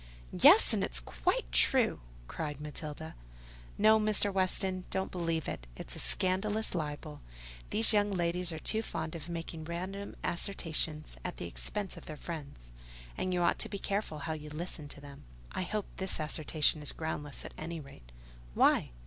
"Yes, and it's quite true!" cried Matilda. "No, Mr. Weston: don't believe it: it's a scandalous libel. These young ladies are too fond of making random assertions at the expense of their friends; and you ought to be careful how you listen to them." "I hope this assertion is groundless, at any rate." "Why?